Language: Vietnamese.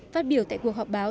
phát biểu tại cuộc họp báo